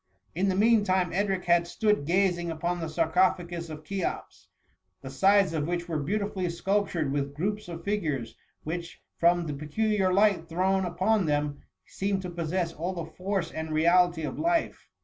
In the mean time, Edric had stood gazing upon the sarcophagus of Cheops, the sides of which were beautifully sculptured with groups of figures, which, from the peculiar light thrown upon them, seemed to possess all the force and reality of life.